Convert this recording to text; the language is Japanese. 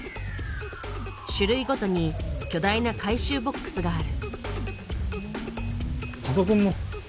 種類ごとに巨大な回収ボックスがある。